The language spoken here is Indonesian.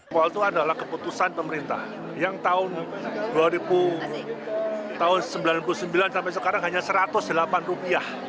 kual itu adalah keputusan pemerintah yang tahun seribu sembilan ratus sembilan puluh sembilan sampai sekarang hanya satu ratus delapan rupiah